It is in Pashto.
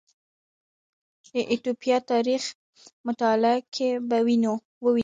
د ایتوپیا تاریخ مطالعه کې به ووینو